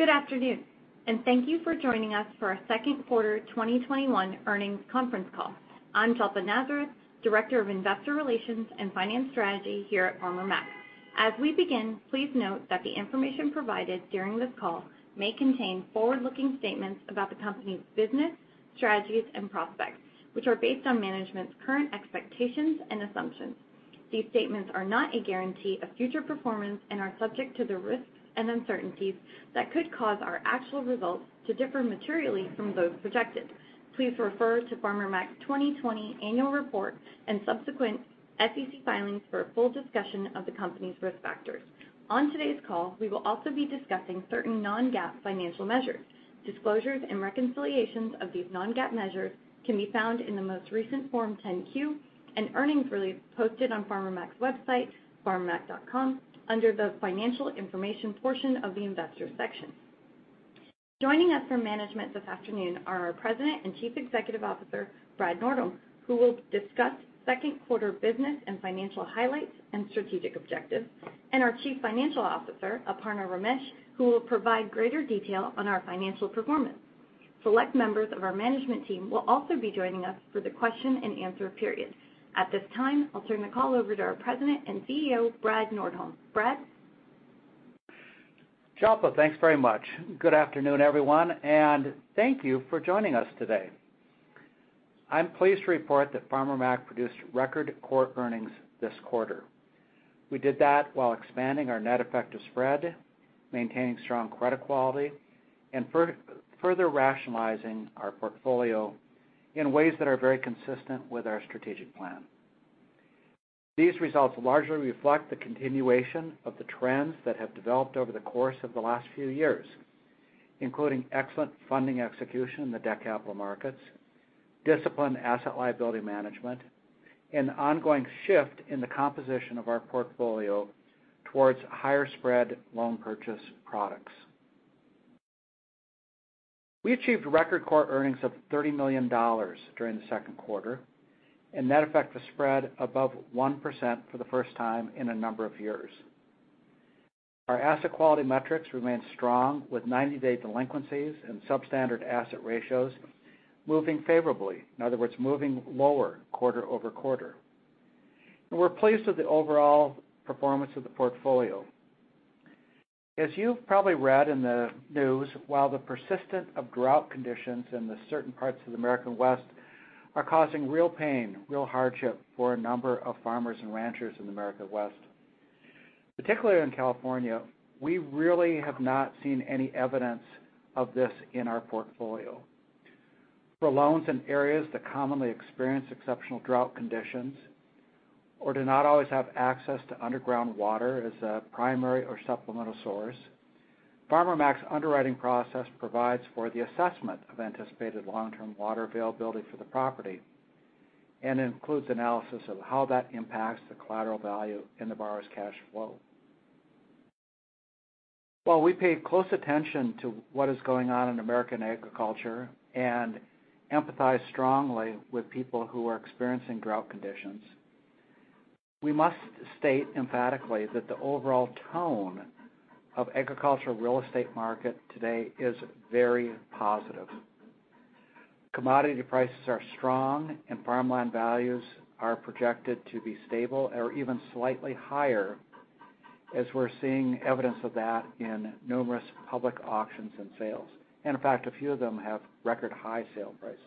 Good afternoon. Thank you for joining us for our second quarter 2021 earnings conference call. I'm Jalpa Nazareth, Director of Investor Relations and Finance Strategy here at Farmer Mac. As we begin, please note that the information provided during this call may contain forward-looking statements about the company's business, strategies, and prospects, which are based on management's current expectations and assumptions. These statements are not a guarantee of future performance and are subject to the risks and uncertainties that could cause our actual results to differ materially from those projected. Please refer to Farmer Mac's 2020 annual report and subsequent SEC filings for a full discussion of the company's risk factors. On today's call, we will also be discussing certain non-GAAP financial measures. Disclosures and reconciliations of these non-GAAP measures can be found in the most recent Form 10-Q and earnings release posted on Farmer Mac's website, farmermac.com, under the Financial Information portion of the Investors section. Joining us for management this afternoon are our President and Chief Executive Officer, Brad Nordholm, who will discuss second quarter business and financial highlights and strategic objectives, and our Chief Financial Officer, Aparna Ramesh, who will provide greater detail on our financial performance. Select members of our management team will also be joining us for the question-and-answer period. At this time, I'll turn the call over to our President and CEO, Brad Nordholm. Brad? Jalpa, thanks very much. Good afternoon, everyone, and thank you for joining us today. I'm pleased to report that Farmer Mac produced record core earnings this quarter. We did that while expanding our net effective spread, maintaining strong credit quality, and further rationalizing our portfolio in ways that are very consistent with our strategic plan. These results largely reflect the continuation of the trends that have developed over the course of the last few years, including excellent funding execution in the debt capital markets, disciplined asset liability management, and ongoing shift in the composition of our portfolio towards higher spread loan purchase products. We achieved record core earnings of $30 million during the second quarter, a net effective spread above 1% for the first time in a number of years. Our asset quality metrics remain strong with 90-day delinquencies and substandard asset ratios moving favorably. In other words, moving lower quarter-over-quarter. We're pleased with the overall performance of the portfolio. As you've probably read in the news, while the persistence of drought conditions in certain parts of the American West are causing real pain, real hardship for a number of farmers and ranchers in the American West, particularly in California, we really have not seen any evidence of this in our portfolio. For loans in areas that commonly experience exceptional drought conditions or do not always have access to underground water as a primary or supplemental source. Farmer Mac's underwriting process provides for the assessment of anticipated long-term water availability for the property and includes analysis of how that impacts the collateral value in the borrower's cash flow. While we pay close attention to what is going on in American agriculture and empathize strongly with people who are experiencing drought conditions, we must state emphatically that the overall tone of agricultural real estate market today is very positive. Commodity prices are strong and farmland values are projected to be stable or even slightly higher as we're seeing evidence of that in numerous public auctions and sales. In fact, a few of them have record high sale prices.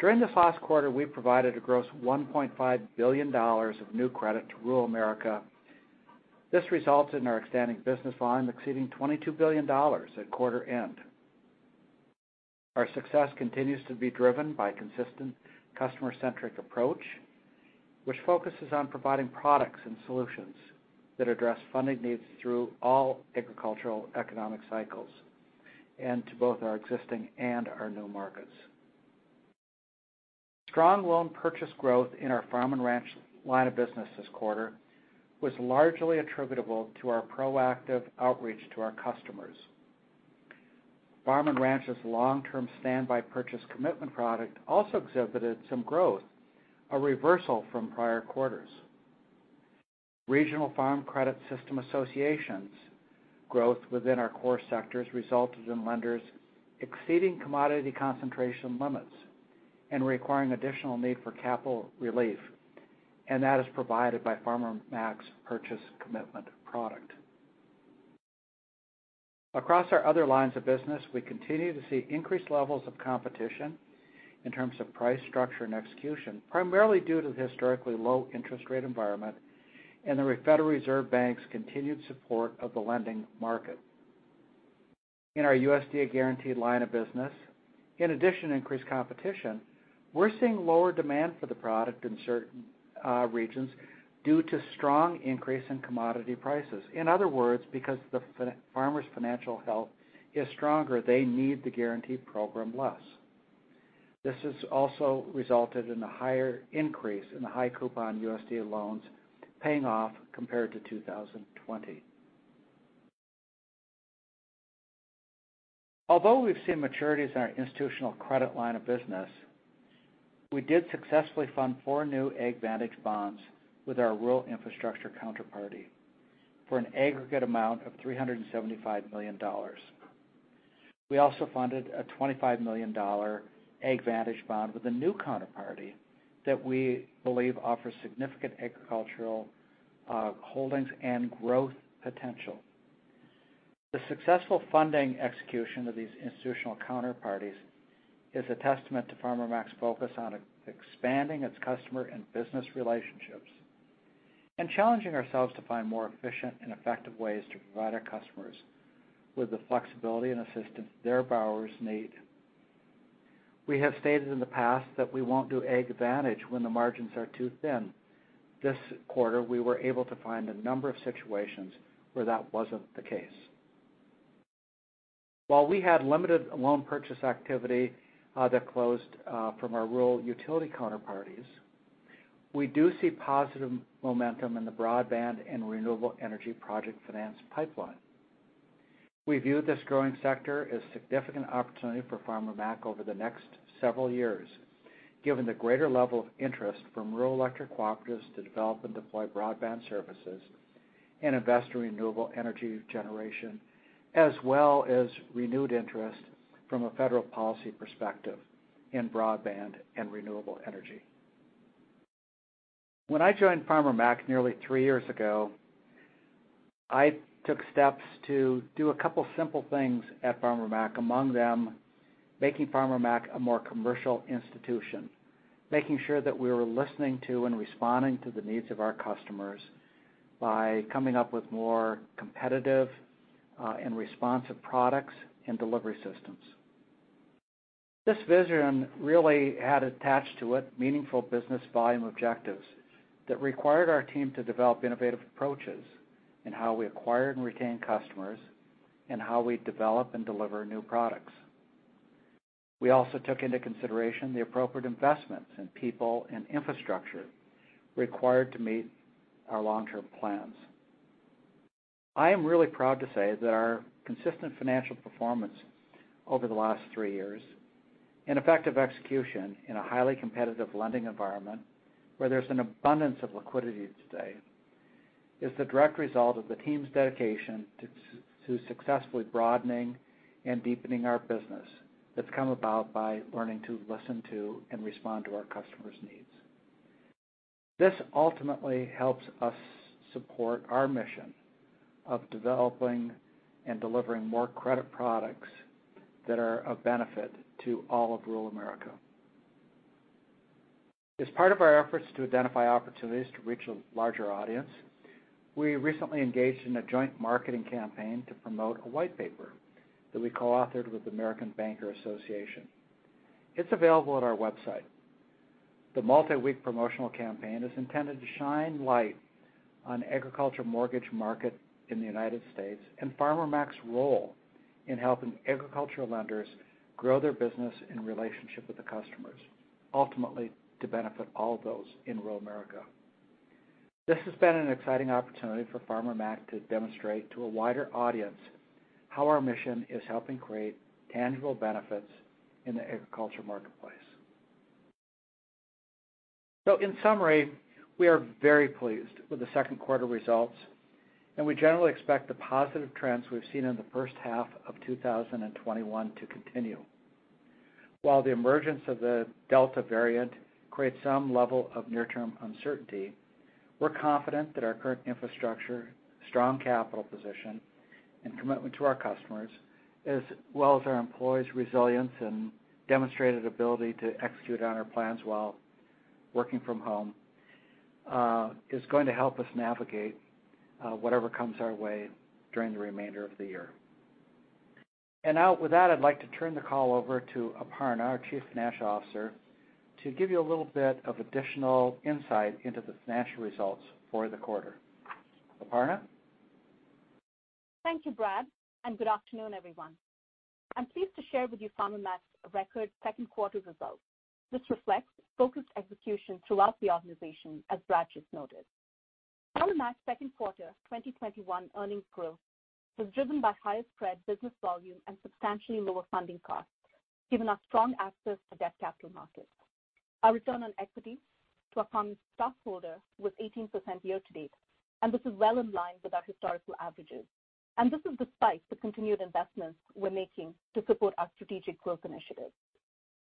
During this last quarter, we provided a gross $1.5 billion of new credit to rural America. This resulted in our extending business volume exceeding $22 billion at quarter end. Our success continues to be driven by consistent customer-centric approach, which focuses on providing products and solutions that address funding needs through all agricultural economic cycles and to both our existing and our new markets. Strong loan purchase growth in our Farm & Ranch line of business this quarter was largely attributable to our proactive outreach to our customers. Farm & Ranch's long-term standby purchase commitment product also exhibited some growth, a reversal from prior quarters. Regional Farm Credit System associations growth within our core sectors resulted in lenders exceeding commodity concentration limits and requiring additional need for capital relief. That is provided by Farmer Mac's purchase commitment product. Across our other lines of business, we continue to see increased levels of competition in terms of price structure and execution, primarily due to the historically low interest rate environment and the Federal Reserve Bank's continued support of the lending market. In our USDA guaranteed line of business, in addition to increased competition, we're seeing lower demand for the product in certain regions due to strong increase in commodity prices. In other words, because the farmer's financial health is stronger, they need the guarantee program less. This has also resulted in a higher increase in the high coupon USDA loans paying off compared to 2020. Although we've seen maturities in our institutional credit line of business, we did successfully fund four new AgVantage bonds with our rural infrastructure counterparty for an aggregate amount of $375 million. We also funded a $25 million AgVantage bond with a new counterparty that we believe offers significant agricultural holdings and growth potential. The successful funding execution of these institutional counterparties is a testament to Farmer Mac's focus on expanding its customer and business relationships, and challenging ourselves to find more efficient and effective ways to provide our customers with the flexibility and assistance their borrowers need. We have stated in the past that we won't do AgVantage when the margins are too thin. This quarter, we were able to find a number of situations where that wasn't the case. While we had limited loan purchase activity that closed from our rural utility counterparties, we do see positive momentum in the broadband and renewable energy project finance pipeline. We view this growing sector as a significant opportunity for Farmer Mac over the next several years, given the greater level of interest from rural electric cooperatives to develop and deploy broadband services and invest in renewable energy generation, as well as renewed interest from a federal policy perspective in broadband and renewable energy. When I joined Farmer Mac nearly three years ago, I took steps to do a couple simple things at Farmer Mac, among them, making Farmer Mac a more commercial institution, making sure that we were listening to and responding to the needs of our customers by coming up with more competitive and responsive products and delivery systems. This vision really had attached to it meaningful business volume objectives that required our team to develop innovative approaches in how we acquire and retain customers, and how we develop and deliver new products. We also took into consideration the appropriate investments in people and infrastructure required to meet our long-term plans. I am really proud to say that our consistent financial performance over the last three years and effective execution in a highly competitive lending environment where there's an abundance of liquidity today, is the direct result of the team's dedication to successfully broadening and deepening our business that's come about by learning to listen to and respond to our customers' needs. This ultimately helps us support our mission of developing and delivering more credit products that are of benefit to all of rural America. As part of our efforts to identify opportunities to reach a larger audience, we recently engaged in a joint marketing campaign to promote a white paper that we co-authored with American Bankers Association. It's available at our website. The multi-week promotional campaign is intended to shine light on agricultural mortgage market in the U.S. and Farmer Mac's role in helping agricultural lenders grow their business in relationship with the customers, ultimately to benefit all those in rural America. This has been an exciting opportunity for Farmer Mac to demonstrate to a wider audience how our mission is helping create tangible benefits in the agricultural marketplace. In summary, we are very pleased with the second quarter results, and we generally expect the positive trends we've seen in the first half of 2021 to continue. While the emergence of the Delta variant creates some level of near-term uncertainty, we're confident that our current infrastructure, strong capital position, and commitment to our customers, as well as our employees' resilience and demonstrated ability to execute on our plans while working from home, is going to help us navigate whatever comes our way during the remainder of the year. Now with that, I'd like to turn the call over to Aparna, our Chief Financial Officer, to give you a little bit of additional insight into the financial results for the quarter. Aparna? Thank you, Brad, good afternoon, everyone. I'm pleased to share with you Farmer Mac's record second quarter results. This reflects focused execution throughout the organization, as Brad just noted. Farmer Mac's second quarter 2021 earnings growth was driven by higher spread business volume and substantially lower funding costs, given our strong access to debt capital markets. Our return on equity to a common stockholder was 18% year to date, and this is well in line with our historical averages. This is despite the continued investments we're making to support our strategic growth initiatives.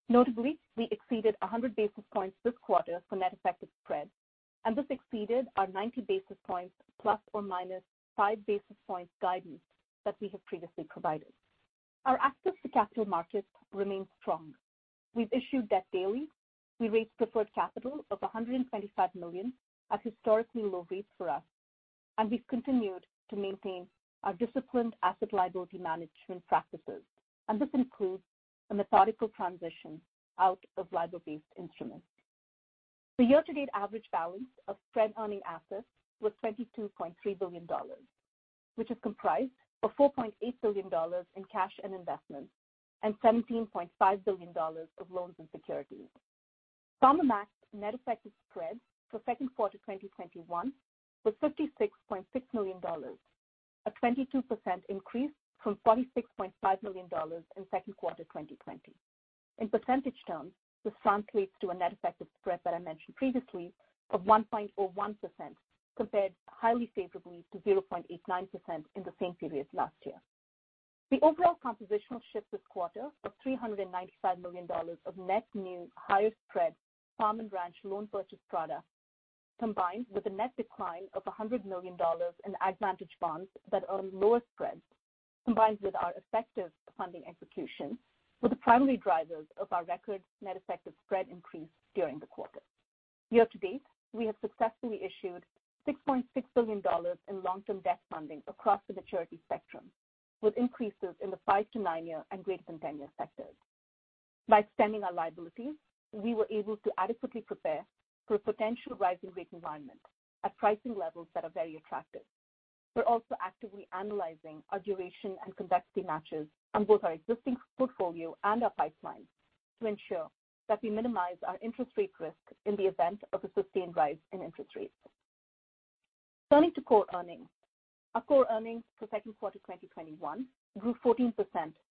Notably, we exceeded 100 basis points this quarter for net effective spread, and this exceeded our 90 basis points ±5 basis points guidance that we have previously provided. Our access to capital markets remains strong. We've issued debt daily. We raised preferred capital of $125 million at historically low rates for us. We've continued to maintain our disciplined asset liability management practices. This includes a methodical transition out of LIBOR-based instruments. The year-to-date average balance of spread earning assets was $22.3 billion, which is comprised of $4.8 billion in cash and investments and $17.5 billion of loans and securities. Farmer Mac's net effective spreads for second quarter 2021 was $56.6 million, a 22% increase from $46.5 million in second quarter 2020. In percentage terms, this translates to a net effective spread that I mentioned previously of 1.01%, compared highly favorably to 0.89% in the same period last year. The overall compositional shift this quarter of $395 million of net new higher spread Farm & Ranch loan purchase product, combined with a net decline of $100 million in AgVantage bonds that earn lower spreads, combined with our effective funding execution, were the primary drivers of our record net effective spread increase during the quarter. Year-to-date, we have successfully issued $6.6 billion in long-term debt funding across the maturity spectrum, with increases in the five to nine-year and greater than 10-year sectors. By extending our liabilities, we were able to adequately prepare for a potential rising rate environment at pricing levels that are very attractive. We're also actively analyzing our duration and convexity matches on both our existing portfolio and our pipeline to ensure that we minimize our interest rate risk in the event of a sustained rise in interest rates. Turning to core earnings. Our core earnings for second quarter 2021 grew 14%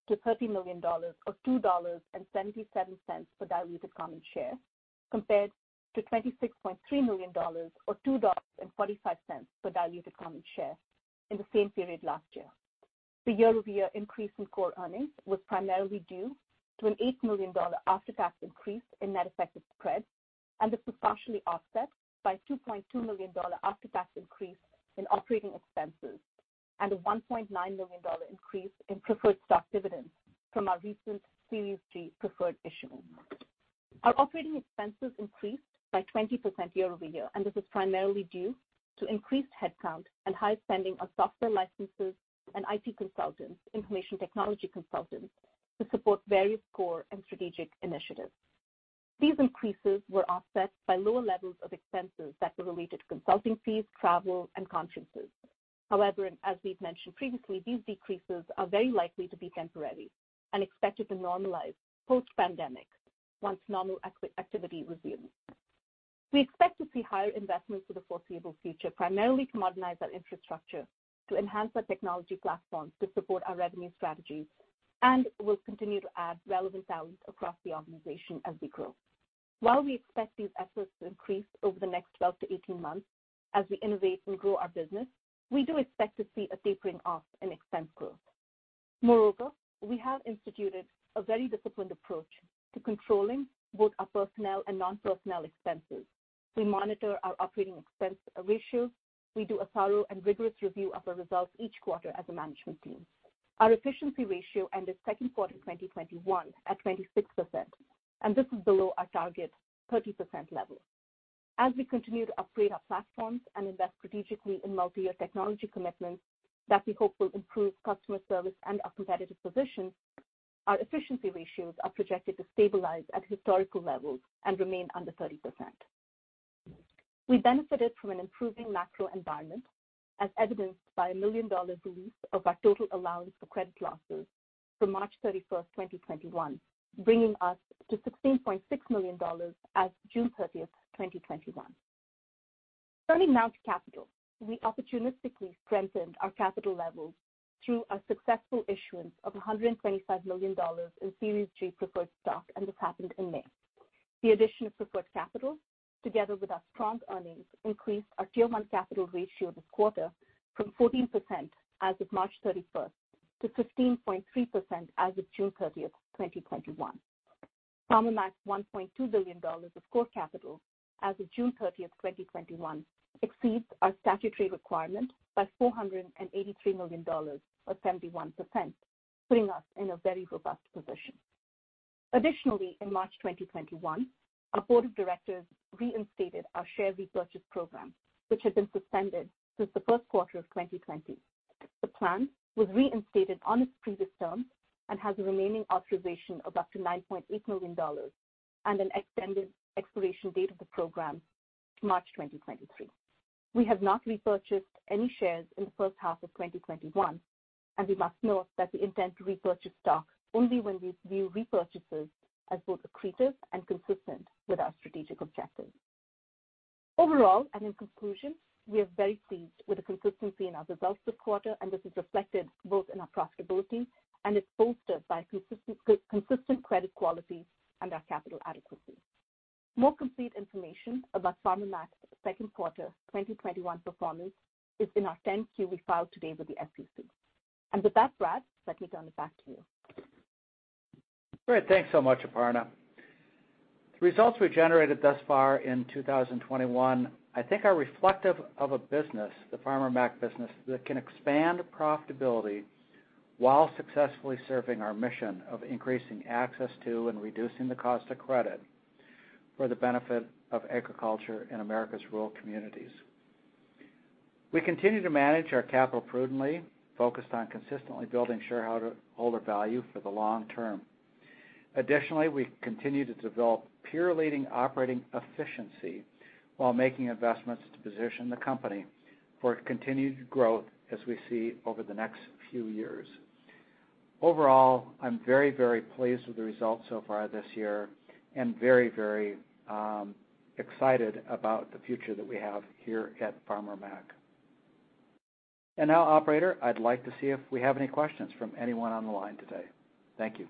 to $30 million, or $2.77 per diluted common share, compared to $26.3 million or $2.45 per diluted common share in the same period last year. The year-over-year increase in core earnings was primarily due to an $8 million after-tax increase in net effective spreads and this was partially offset by a $2.2 million after-tax increase in operating expenses and a $1.9 million increase in preferred stock dividends from our recent Series G preferred issuance. Our operating expenses increased by 20% year-over-year, and this is primarily due to increased headcount and high spending on software licenses and IT consultants, information technology consultants, to support various core and strategic initiatives. These increases were offset by lower levels of expenses that were related to consulting fees, travel, and conferences. However, as we've mentioned previously, these decreases are very likely to be temporary and expected to normalize post-pandemic, once normal activity resumes. We expect to see higher investments for the foreseeable future, primarily to modernize our infrastructure, to enhance our technology platforms to support our revenue strategies, and we'll continue to add relevant talent across the organization as we grow. While we expect these efforts to increase over the next 12-18 months as we innovate and grow our business, we do expect to see a tapering off in expense growth. Moreover, we have instituted a very disciplined approach to controlling both our personnel and non-personnel expenses. We monitor our operating expense ratios. We do a thorough and rigorous review of our results each quarter as a management team. Our efficiency ratio ended second quarter 2021 at 26%, and this is below our target 30% level. As we continue to upgrade our platforms and invest strategically in multi-year technology commitments that we hope will improve customer service and our competitive position, our efficiency ratios are projected to stabilize at historical levels and remain under 30%. We benefited from an improving macro environment, as evidenced by a million-dollar release of our total allowance for credit losses from March 31st, 2021, bringing us to $16.6 million as June 30th, 2021. Turning now to capital. We opportunistically strengthened our capital levels through a successful issuance of $125 million in Series G preferred stock, and this happened in May. The addition of preferred capital, together with our strong earnings, increased our Tier 1 capital ratio this quarter from 14% as of March 31st to 15.3% as of June 30th, 2021. Farmer Mac's $1.2 billion of core capital as of June 30th, 2021, exceeds our statutory requirement by $483 million or 71%, putting us in a very robust position. In March 2021, our board of directors reinstated our share repurchase program, which had been suspended since the first quarter of 2020. The plan was reinstated on its previous terms and has a remaining authorization of up to $9.8 million and an extended expiration date of the program to March 2023. We have not repurchased any shares in the first half of 2021, and we must note that we intend to repurchase stock only when we view repurchases as both accretive and consistent with our strategic objectives. Overall, in conclusion, we are very pleased with the consistency in our results this quarter, and this is reflected both in our profitability and is bolstered by consistent credit quality and our capital adequacy. More complete information about Farmer Mac's second quarter 2021 performance is in our 10-Q we filed today with the SEC. With that, Brad, let me turn it back to you. Great. Thanks so much, Aparna. The results we generated thus far in 2021, I think are reflective of a business, the Farmer Mac business, that can expand profitability while successfully serving our mission of increasing access to and reducing the cost of credit for the benefit of agriculture in America's rural communities. We continue to manage our capital prudently, focused on consistently building shareholder value for the long term. We continue to develop peer-leading operating efficiency while making investments to position the company for continued growth as we see over the next few years. I'm very, very pleased with the results so far this year and very, very excited about the future that we have here at Farmer Mac. Operator, I'd like to see if we have any questions from anyone on the line today. Thank you.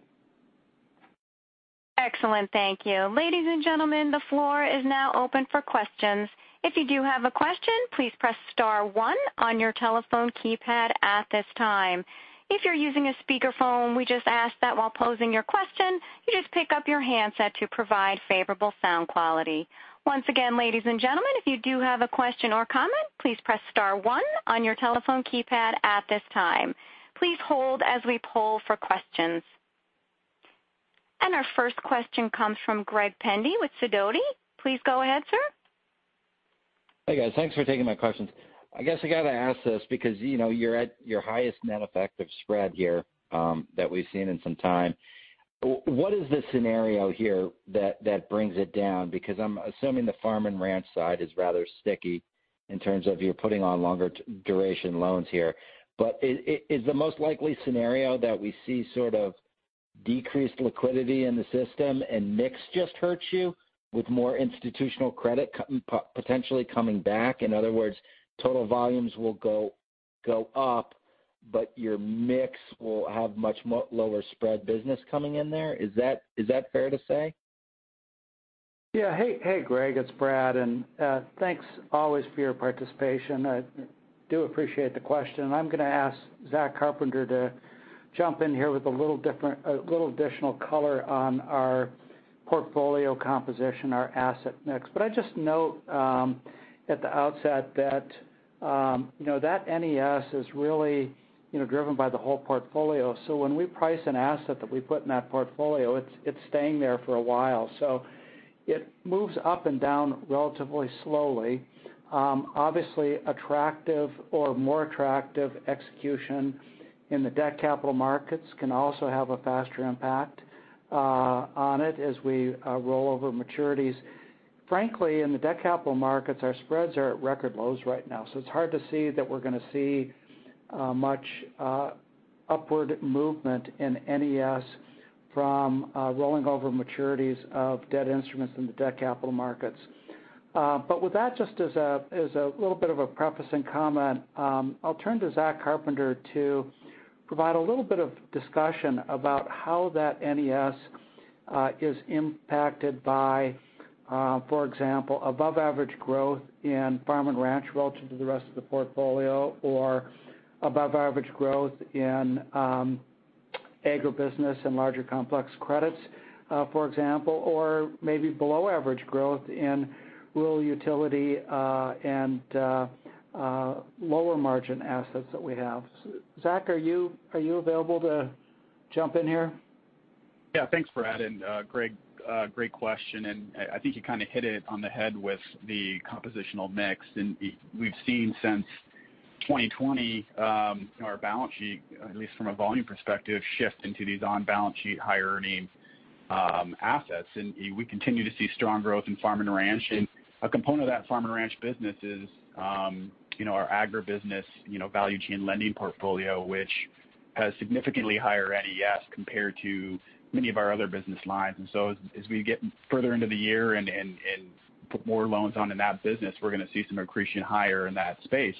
Excellent, thank you. Ladies and gentlemen, the floor is now open for questions. If you do have a question, please press star one on your telephone keypad at this time. If you're using a speakerphone, we just ask that while posing your question, you just pick up your handset to provide favorable sound quality. Once again, ladies and gentlemen, if you do have a question or comment, please press star one on your telephone keypad at this time. Please hold as we poll for questions. Our first question comes from Greg Pendy with Sidoti. Please go ahead, sir. Hey, guys. Thanks for taking my questions. I guess I got to ask this because you're at your highest net effective spread here that we've seen in some time. What is the scenario here that brings it down? I'm assuming the Farm & Ranch side is rather sticky in terms of you're putting on longer duration loans here. Is the most likely scenario that we see sort of decreased liquidity in the system and mix just hurts you with more institutional credit potentially coming back? In other words, total volumes will go up, but your mix will have much lower spread business coming in there. Is that fair to say? Yeah. Hey, Greg, it's Brad. Thanks always for your participation. I do appreciate the question. I'm going to ask Zack Carpenter to jump in here with a little additional color on our portfolio composition, our asset mix. I'd just note at the outset that NES is really driven by the whole portfolio. When we price an asset that we put in that portfolio, it's staying there for a while. It moves up and down relatively slowly. Obviously, attractive or more attractive execution in the debt capital markets can also have a faster impact on it as we roll over maturities. Frankly, in the debt capital markets, our spreads are at record lows right now. It's hard to see that we're going to see much upward movement in NES from rolling over maturities of debt instruments in the debt capital markets. With that just as a little bit of a preface and comment, I'll turn to Zack Carpenter to provide a little bit of discussion about how that NES is impacted by, for example, above-average growth in Farm & Ranch relative to the rest of the portfolio or above-average growth in agribusiness and larger complex credits, for example, or maybe below-average growth in rural utilities and lower margin assets that we have. Zack, are you available to jump in here? Yeah. Thanks, Brad, and Greg, great question. I think you kind of hit it on the head with the compositional mix. We’ve seen since 2020 our balance sheet, at least from a volume perspective, shift into these on-balance sheet, higher earning assets. We continue to see strong growth in Farm & Ranch. A component of that Farm & Ranch business is our agribusiness value chain lending portfolio, which has significantly higher NES compared to many of our other business lines. As we get further into the year and put more loans on in that business, we’re going to see some accretion higher in that space.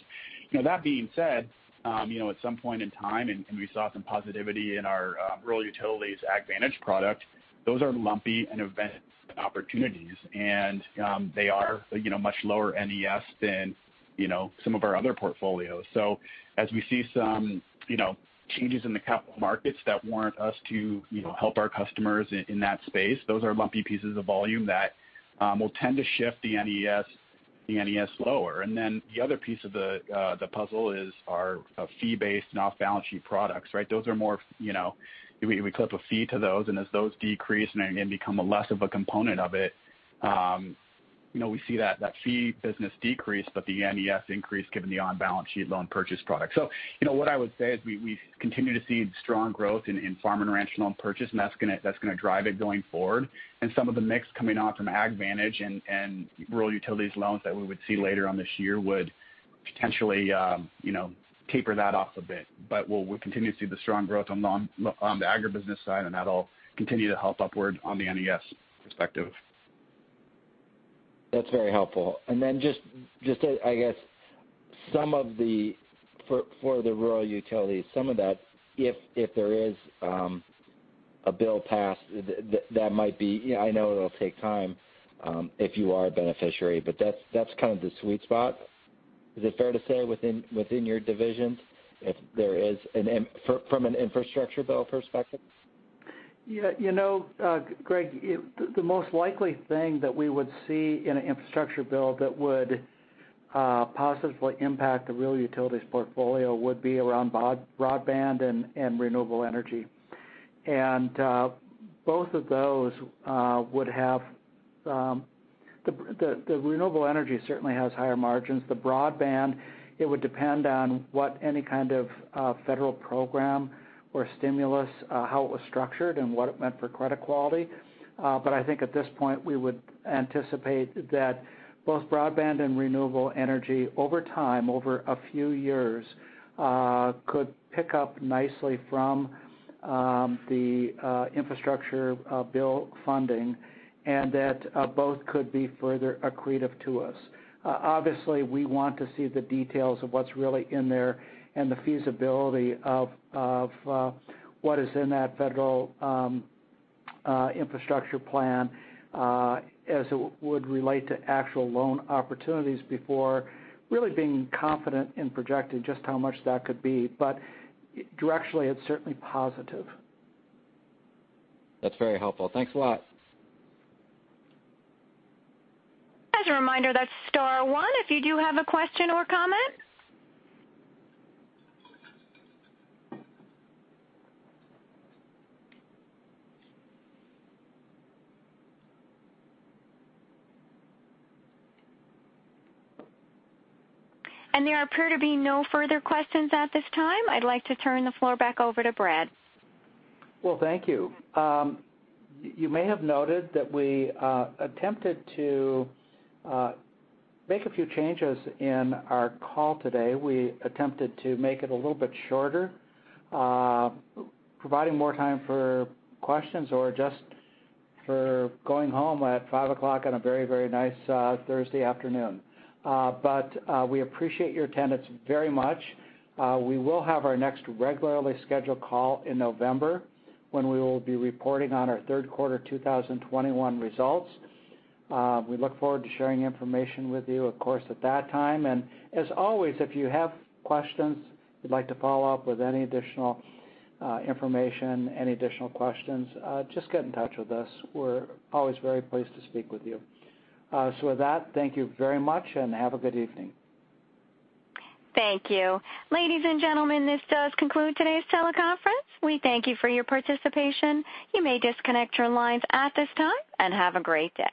That being said, at some point in time, we saw some positivity in our rural utilities AgVantage product. Those are lumpy and event opportunities, and they are much lower NES than some of our other portfolios. As we see some changes in the capital markets that warrant us to help our customers in that space, those are lumpy pieces of volume that will tend to shift the NES lower. The other piece of the puzzle is our fee-based off-balance-sheet products, right? We clip a fee to those, and as those decrease and again become a less of a component of it, we see that fee business decrease, but the NES increase given the on-balance-sheet loan purchase product. What I would say is we continue to see strong growth in Farm & Ranch loan purchase, and that's going to drive it going forward. Some of the mix coming off from AgVantage and rural utilities loans that we would see later on this year would potentially taper that off a bit. We'll continue to see the strong growth on the agribusiness side, and that'll continue to help upward on the NES perspective. That's very helpful. Then just to, I guess, some of the, for the rural utilities, some of that, if there is a bill passed, I know it'll take time if you are a beneficiary, but that's kind of the sweet spot. Is it fair to say within your divisions if there is from an infrastructure bill perspective? Greg, the most likely thing that we would see in an infrastructure bill that would positively impact the rural utilities portfolio would be around broadband and renewable energy. The renewable energy certainly has higher margins. The broadband, it would depend on what any kind of federal program or stimulus, how it was structured and what it meant for credit quality. I think at this point, we would anticipate that both broadband and renewable energy over time, over a few years, could pick up nicely from the infrastructure bill funding and that both could be further accretive to us. Obviously, we want to see the details of what's really in there and the feasibility of what is in that federal infrastructure plan as it would relate to actual loan opportunities before really being confident in projecting just how much that could be. Directionally, it's certainly positive. That's very helpful. Thanks a lot. As a reminder, that's star one if you do have a question or comment. There appear to be no further questions at this time. I'd like to turn the floor back over to Brad. Well, thank you. You may have noted that we attempted to make a few changes in our call today. We attempted to make it a little bit shorter, providing more time for questions or just for going home at 5:00 P.M. On a very nice Thursday afternoon. We appreciate your attendance very much. We will have our next regularly scheduled call in November when we will be reporting on our third quarter 2021 results. We look forward to sharing information with you, of course, at that time. As always, if you have questions you'd like to follow up with any additional information, any additional questions, just get in touch with us. We're always very pleased to speak with you. With that, thank you very much and have a good evening. Thank you. Ladies and gentlemen, this does conclude today's teleconference. We thank you for your participation. You may disconnect your lines at this time, and have a great day.